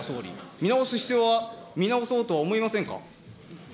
見直す必要は、見直そうとは思い